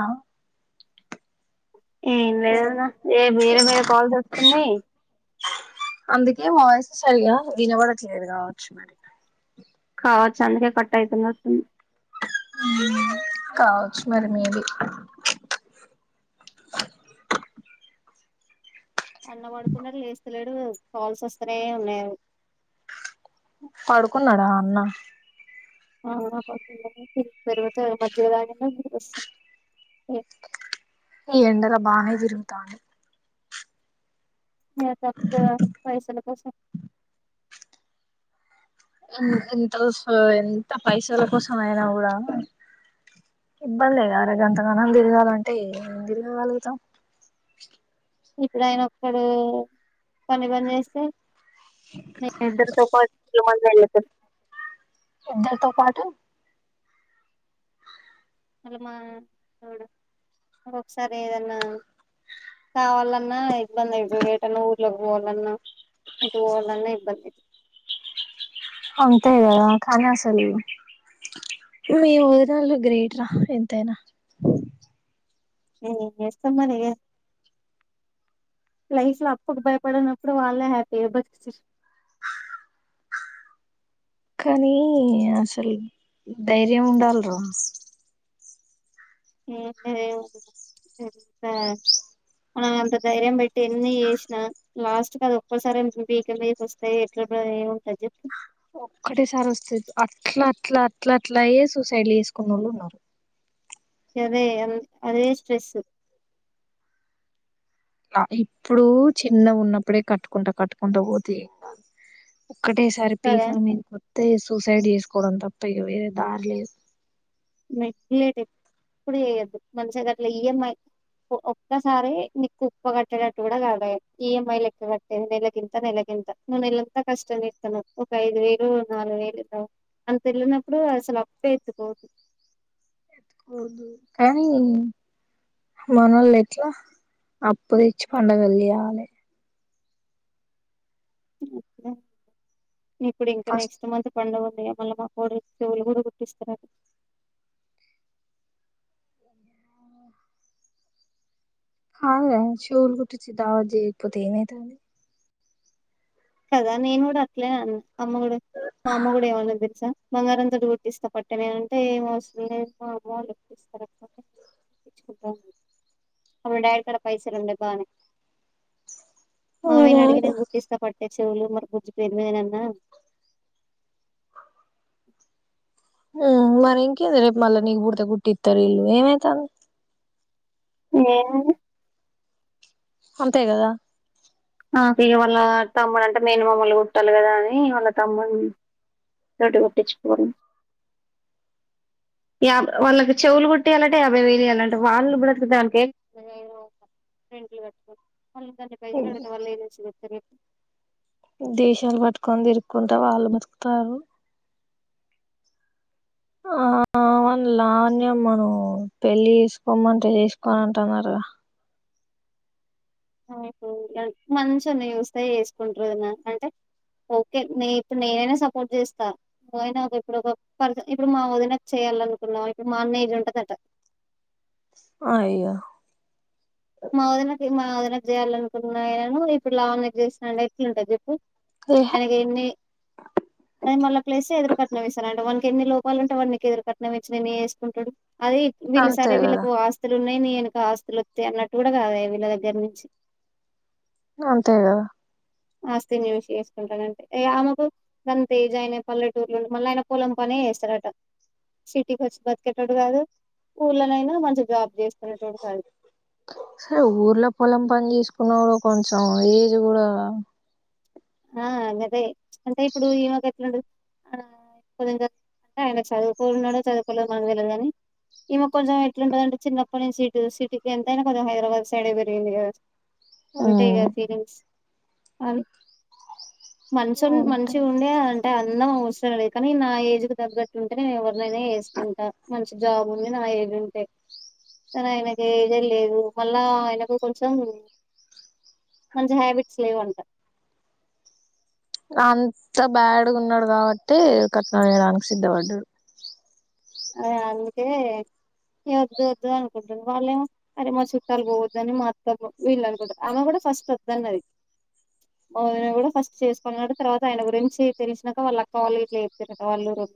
ఆ ఏం లేదన్నా ఏ వేరే వేరే కాల్స్ వస్తున్నాయి అందుకే మా వాయిస్ సరిగా విన పడట లేదు కావచ్చు మరి కావచ్చు అందుకే కట్ అయుతుంది అట్టుంది కావచ్చు మరి మీది అన్న పడుకున్నాడు లేస్తలేడు కాల్స్ వస్తనే ఉన్నాయి పడుకున్నాడా అన్న ఆ పెరువాతే మధ్యదన దసం [unintelligible] ఓ [unintelligible] ఈ ఎండలో బానే తిరుగుతాండు ఏ డ తప్పుతది పైసలు కోసం ఎంత ఎంత పైసల కోసం అయినా కూడా ఇబ్బందే గర గంతగనం తిరగాల అంటే ఏం తిరగగలుగుతాం ఇప్పుడు ఆయన ఒక్కడు పని బంజేస్తే మీ ఇద్దరుతో కాపిట వెళ్ళదు [unintelligible] ఇద్దరితో పాటు అళ్ళ మా అ ఒకసారి ఏదన్నా కావాలన్నా ఇబ్బంది అయితది ఎటన్న ఊరి ఇట్లా పోవాలన్నా ఇటు పోవాలన్నా ఇబ్బంది అంతే గద కానీ అసలు మీ ఒదినల్లు గ్రేట్ రా ఎంతైనా ఏమ్ చేస్తాం మరి లైఫ్ లో అప్పుకు భయపడినప్పుడు వాళ్లే హ్యాపీ బతు కానీ అసలు ధైర్యం ఉండాలరా [unintelligible] మన అంత ధైర్యం పెట్టి ఎన్ని చేసినా లాస్ట్ కి అది ఒక్కసారి పీక మీదకి వస్తాయి ఎట్లా [unintelligible] చెప్పు ఒక్కటే సారి వస్తది అట్ల అట్ల అట్ల అట్లా అయ్యే సూసైడ్ చేసుకున్న వాళ్ళు ఉన్నారు అదే అ అదే స్ట్రెస్సు ఇప్పుడు చిన్న ఉన్నప్పుడే కట్టుకుంటా కట్టుకుంటా పోతే ఒక్కటేసారి కదా పీకల మీద కొతే సూసైడ్ చేసుకోవడం తప్ప ఇగ వేరే దారి లేదు లేట్ ఇప్పుడు చేయద్దు మనసగర్లో ఈఎంఐ ఒక్కసారి నీకు కుప్ప కట్టేటట్టు కూడ [unintelligible] ఈఎంఐ లెక్క కట్టేది నెలగింత నెల వెళ్ళంతా కష్టంస్తున్నాం ఒక ఐదు వేలు నాలుగు వేలు అంత వెళ్ళినప్పుడు అప్పేత్కోదు కానీ మనోళ్లు ఎట్లా అప్పు తెచ్చి పండగలు చేయాలి ఇప్పుడు ఇంక ఫస్ట్ నెక్స్ట్ మంత్ పండగ అద మళ్ళీ మా కోడి చెవులు కూడా కుట్టిస్తన్నారు హా శవుల్ కుటించి దవద్ చేయకపోతే ఏమైతది కదా నేను కూడ అట్లే అన్న అమ్మ కూడా మా అమ్మ కూడా ఏమైన్నా తెలుసా బంగారంతోటి ఇస్తా పట్టేమేనంటే ఏం అవసం లేదు మా అమ్మ వాళ్ళుట్టిస్త ుకుంటా మా డాడీ కడ పైసలు ఉండా బానే మమ్మీ ని అడిగి నేను కుట్టిస్త [unintelligible] మరి ఇంకేంది రేపు మళ్ళా నీకు పుడితే కుట్టి ఇస్తారు ఇల్లు ఏమైతది ఆ అంతే కదా నాకి వాళ్ళ తమ్ముడు అంటే మేన మామ వాళ్ళు కుట్టాల కదా అని వాళ్ళ తమ్ముడు [unintelligible] యా వాళ్ళకి చెవులు కుట్టియాలంటే యాభై వేలు ఇయాలంట వాళ్ళు [unintelligible] దనికి ఏం రెంట్లు కట్ట వాళ్ళు దాన్ని పైసలు పెడితే వాళ్ళు [unintelligible] చెప్స్తారు దేశాలు పట్టుకొని తిరుక్కుంటా వాళ్ళు బతుకుతారు ఆ అవున్ లాన్ మనం పెళ్లి చేసుకోమంటే చేసుకోను అంటున్నారుగా మంచోన్నీ చూస్తే చేసుకుంటరు వదిన అంటే ఓకే నేను ఇప్పు నేనైనా సపోర్ట్ చేస్తా [unintelligible] ఇప్పుడు మా అన్న ఏజ్ ఉంటదట అయ్యో మా వదనకి మా వదినకి చేయాల అనుకుంటున్నాను ఇప్పుడు [unintelligible] ఎట్లుంటంది చెప్పు ఏహే ఆయనకి ఎన్ని అదే మళ్ళా ప్లేస్ ఎదురుకట్నం ఇస్తరట ఎన్ని లోపాలు ఉంటే వాడు నీకు ఎదురు కట్నం ఇచ్చి నిన్ను చేసుకుంటాడు అదే వీళ్ళు అంతే సరే కదా వళ్కు ఆస్తులు ఉన్నాయి [unintelligible] ఆస్తులు వస్తా అన్నట్టు కూడా కాద వీళ్ళ దగ్గర నుంచి అంతే గ ఆస్తి ని చూసి చేసుకుంటాను అంటే ఆమెకు గని తేజ్యయినే పల్లెటూరులోండి మళ్ళీ ఆయన పొలం పని సిటీకి వచ్చి బతికేటోడు కాదు ఊర్లోనైన మంచి జాబ్ చేసుకునేటోడు కాదు సరే ఊర్లో పొలం పనీచెస్ [unintelligible] కొంచెం ఏజ్ కూడ ఆ అందుకే అంటే ఇప్పుడు ఇమాకెట్లుంది ఆ [unintelligible] ఆయన చదువుకున్నాడు చదుకోలే మనకు తెలవదు గాని ఈమ కొంచెం ఎట్లుంటదంటే చిన్నప్పటి నుంచి సి సిటీకి ఎంతైనా కొద హైదరాబాద్ సైడ్ పెరిగింది కదా ఉంటాయి కదా ఫీలింగ్స్ అ [unintelligible] మనించి ఉండే అంటే అందము సరెలే కానీ నా ఏజ్ కు తగ్గట్టు ఉంటే నేను ఎవరినైనా చేస్తుంటా మంచి జాబ్ ఉండి నా ఏజ్ ఉంటే కానీ ఆయనకి ఏద లేదు మళ్ళా ఆయనకు కొంచెం మంచి హ్యాబిట్స్ లేవు అంటా అంత బ్యాడ్గా ఉన్నాడు కాబట్టి కట్నా ఈయడానికి సిద్ధపడ్డాడు ఆ అందుకే వద్దు వద్దు అనుకుంటుంది వాళ్ళేమో అరే మా చుట్టాలు పోవద్దుని మా అత్త వీళ్ళు అనుకుంటా రు ఆమె కూడా ఫస్ట్ ప్రధా మరి ఐన కూడా ఫస్ట్ చేసుకున్నాడు తర్వాత ఆయన గురించి తెలిసినాక వాళ్ళు అక్క వాళ్ళు ఇట్లా చెప్పిరట వాళ్ళు ఓ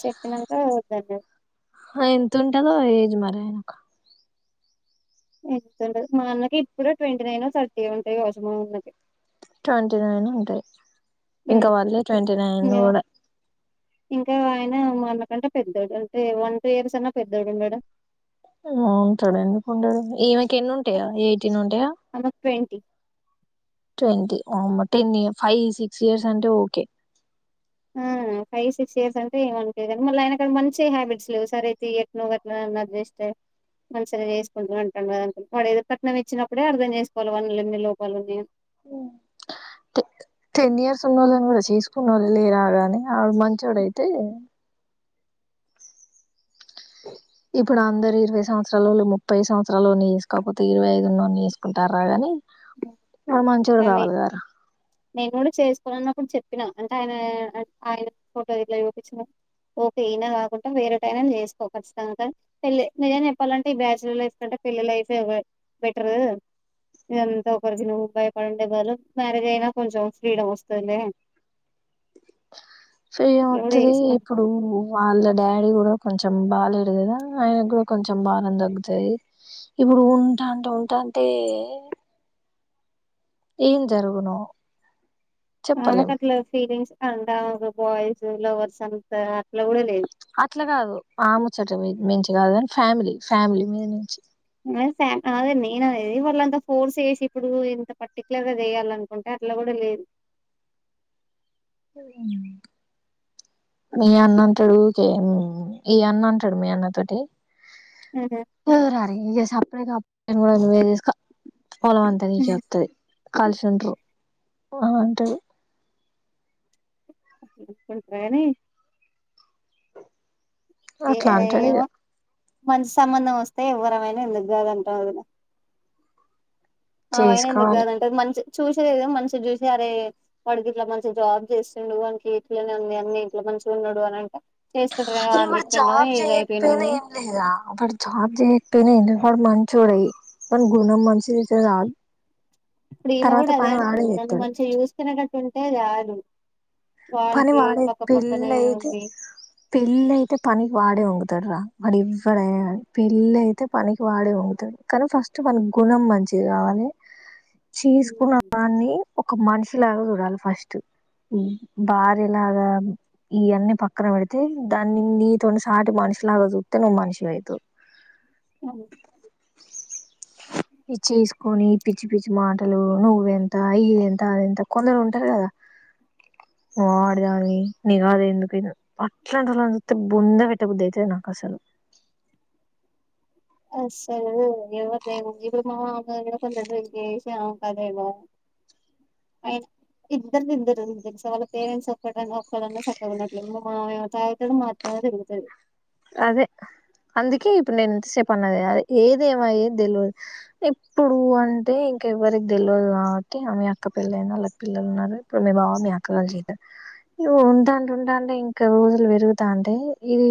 చెప్పినాక వద్దది ఎంత ఉంటుందో ఏజ్ మరి ఆయనకు ఎంతంటది మా అన్నకి ఇప్పుడు ట్వంటీ నైన్ థర్టీ ఉంటాయి కోసమ ఉన్నకి ట్వంటీ నైన్ ఉంటాయి ఇంకా ఉమ్. వలే ట్వంటీ నైన్ ఇంగ- కూడా ఇంకా ఆయన మనకంటే పెద్దోడు అంటే వన్ టూ ఇయర్స్ అన్నా పెద్దోడు ఉండడు ఉంటాడు ఎందుకుండడు ఈమెకి ఎన్ని ఉంటాయా ఎయిటీన్ ఉంటాయా ఆమెకు twenty twenty ten five six years అంటే ఓకే ఆ ఫైవ్ సిక్స్ ఇయర్స్ అంటే ఏమ మళ్ళీ ఆయనకాడ మంచి హ్యాట్స్ లేవు సర అయితే ఎట్నకట్ల అది ఇష్టే మనసరే చేసుకుంటు అంటాం వాడు ఏద పట్నం ఇచ్చినప్పుడే అర్థం చేసుకోవాలి వానిలో ఎన్ని లోపాలని టెన్ ఇయర్స్ ఉన్నళ్ళని కూడా చేసుకున్న వాళ్ళు లే రాగానే ఆ మంచించోడ అయితే ఇప్పుడు అందరు ఇరవై సంవత్సరాాల ముప్పై సంవత్సరాలు తీసుకపోతే ఇరవై ఐదున్న తీసుకుంటారాగాని మ మంచూడు కానీ కావాలి గారు నేను కూడా చేసుకోన అన్నప్పుడు చెప్పినా అంటే ఆయన ఆయన ఫోటో దగ్గర చూపించిన ఓకే అయినా కాకుండా వేరే టైనా చేసుకోకచ్చుతను నిజం చెప్పాలంటే ఈ బ్యాచులర్ లైఫ్ కంటే పిల్లలే లైఫ్ ఒక బెటరు ఇదంతా ఒకరిజిన భయపడిండేవరు మ్యారేజ్ అయినా కొంచెం ఫ్రీడమ్ వస్తుంది ఫీ ఏ కూడా వతుది చేసుకోని ఇప్పుడు వాళ్ళ డాడీ కూడా కొంచెం బాగాలేదు కదా ఆయన కూడా కొంచెం బాారం తగ్గుతాయి ఇప్పుడు ఉంటా అంటే ఉంటా అంటే ఏం జరుగును ఆమెకు చెప్పలేం అట్లా ఫీలింగ్స్ అంటకు బాయ్స్ లవర్స్ అంతా అట్లా కాదు ఆమె చెట్ మంచి కాదు అని ఫ్యామిలీ ఫ్యామిలీ మీద నుంచి అదే నేను అదేది వాళ్ళంత ఫోర్స్ చేసి ఇప్పుడు ఇంత పర్టిక్యులర్ గా చేయాలినుకుంటే అట్లా కూడా లేదు ఉమ్ మీ అన్న అంటాడు ఓకే ఈ అన్న అంటాడు మీ అన్న తోటి ఆహా. ఇక సప్పుడే కా కూడా నువ్వేచేసుకో పొలం అంతా నీక వస్తుది కలిసుండరు అంటది అ అనుకుంటారని ఏ అట్లా అంటాడు ఇగ ఏమో మంచి సంబంధం వస్తే ఎవ్వరమైనా ఎందుకు కాదంటారు వదిన ఆ అయిన చేసుకోవాలి దగ్గాదంటే అది మంచి చూసదేదో మంచి చూసి అరే వాడికి ఇట్లా మంచి జాబ్ చేస్తుండు వాకి ఇట్లనే ఉంది అన్ని ఇ మ మంచిగున్నాడు అనింటే చేసు కుంటారా అరే ఇప్పుడు జాబ్ చేయట్లేదా ఏం లేదా అప్పుడు జాబ్ చేయకపోయినా ఏం మ తోడయి ప గున్న మసి తతే రాాల ఇప్పుడు ఈమె కూడా అదే అంటది నన్ను మంచిగా చూసుకునేటట్టు ఉంటే చాలు పని వానికి వాడే పక్క పక్కనే పిల్లైయితే ఉండి పిళ్ల్లైయితే పని వాడేవంగ రా వాడు ఎవ్వడయ పెళ్లి అయితే పనికి వాడే ఉంగతాడు కానీ ఫస్ట్ మన గుణం మంచి చే కావాలి చేసుకున్న వాడిని ఒక మనిషిలాగా చూడాలి ఫస్ట్ భార్యలాగా ఇవన్నీ పక్కన పెడితే దాన్ని నీతో సాటి మనిషిలాగ చూ ఇను ఉ మనుషివి అయితవ్ అవు ఇది చేసుకొని పిచ్చి పిచ్చి మాటలు నువ్వెంత ఇది ఎంత అది ఎంత కొందరు ఉంటారు కదా వాడిదని నిఘదు ఎందుకు అట్లాంతల చూస్తే బుంద పెట్ట బుద్ధి అయితది నాకు అసలు అస్సలు ఎ దవం ఇప్పుడుమ అ కొడు ఇ అవుకా దైవం అ [unintelligible] ఇద్దరుది ఇద్దరు ఉంది తెలుస వాళ్ళ పేరెంట్స్ ఒక్కడ ఒక్కడన్నా చక్కగా ఉన్నట్లేదు మా తాయతడు మాత్రం [unintelligible] అదే అందుకే ఇప్పుడు నేను ఇంతసేపు అన్నది ఏదేమయ తెలియదు ఎప్పుడు అంటే ఇంకెవ్వరికి తెలియదు కాబట్టి ఆమె అక్కపెళ్ళయినా అళ్ళకి పిల్లలు ఉన్నారు ఇప్పుడు మీ బాబ మీ అక్కగలి చేయారు ఉంటంటే ఉంటాంటే ఇంకా రోజులు పెరుగుతా అంటే ఇది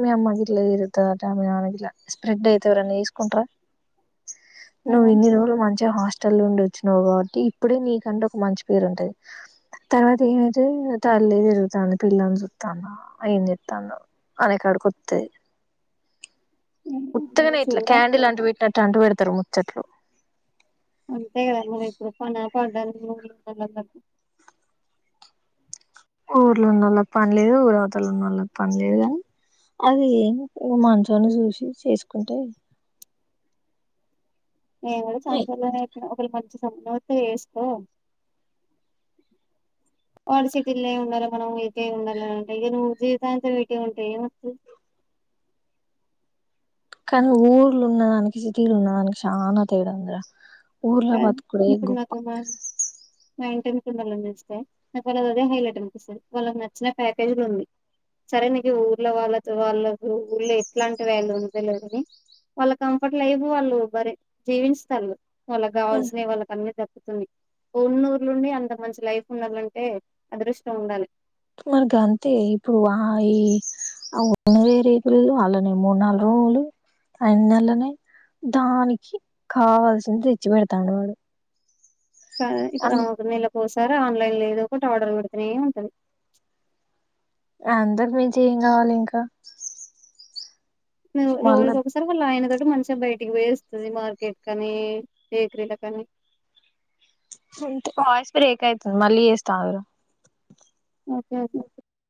మీ అమ్మ గిలా ఇరుతాటా మీ నా గలా స్ప్రెడ్ అయితేవరన్న తీసుకుంటరా ఆ, నువ్ ఇన్ని రోజులు మంచిగా హస్ట్ ల్ నుండి వచ్చినావు కాబట్టి ఇప్పుడే నీకంటే ఒక మంచి పేరు ఉంటది తర్వాత ఏమైతంది [unintelligible] పిల చుతాంద ఏమి చేస్తుందో అనే కాడు కొత్త ఇంక ముత్తగానే ఇట్లా చూడాలి కాండిల్ అంటూ పెట్టినట్టు అంటూ పెడతు ఉత్తరుముచ్చట్లు అంతే కదా మరి ఇప్పుడు పనా పాడాల ఊర్లో ఉన్నళ్ పని లేదు ఊరావతలు ఉన్న వాళ్ళ పని లేదు అది ఏం మంచిగానే చూసి చేసుకుంటే నేను కూడా చాలా సార్లు అయిపోద్ది చెప్పినా ఒకవేళ మంచి సంబంధం వస్తే చేసుకో వాళ్ళు సిటీల్లో ఉండాలి మనం ఏయిట ఉండాలి అంటే ఇ నువ్వు జీవితాంతం ఇటే ఉంటే ఏమోస్తాది కానీ ఊర్లు ఉన్నదానికి సిటీలు ఉన్నదానికి చాలా తేడా ఉందిరా ఊర్ల బతుకుడే గొప్ప మైంటైన్స్ ఉ వాళ్ళని చేస్తే నాకు వాళ్ళ అది అదే హైలైట్ అనిపిస్తుంది వాళ్ళ నచ్చిన ప్యాకేజ్ ఉంది సరే నీకు ఊళ్ళ వాళ్ళతో వాళ్ళకు ఊళ్ళ ఎట్లాంటి వాల్యూ ఉంది లేదని వాళ్ళ కంఫర్ట్లు లైఫ్ వాళ్ళు బరి జీవిస్తారు వాళ్ళకి కావాల్సినవి వాళ్ళకి అన్నీ దక్కుతున్నాయి ఉన్నూరు లోనే అంత మంచి లైఫ్ ఉండాలంటే అదృష్టం ఉండాలి మరిగా అంతే ఇప్పుడు ఆ ఈ న్నే రేపు అలానే మూడు నాలు రూ ఉళు ఆ నెలలనే దానికి కావాల్సింది తెచ్చి పెడతన్నడు వాడు ఇప్పుడు అం ఆమెకు నెల పో సరే ఆన్లైన్ లో ఏదో ఒకటి ఆర్డర్ పెడుతనే ఉంటది అందరు మంచి ఏం కావాలి ఇంకా రోజు మళ్ళా కొకసారి వాళ్ళ ఆయన దగ్గ ఇడు మంచిగా బయటికి పోయి వస్తది మార్కెట్ కని బేకరీల కని అంత వాయిస్ బ్రేక్ అవుతుంది మళ్ళీ చేస్త ఆగురా ఓకే ఓకే